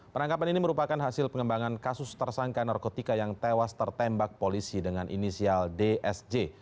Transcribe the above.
penangkapan ini merupakan hasil pengembangan kasus tersangka narkotika yang tewas tertembak polisi dengan inisial dsj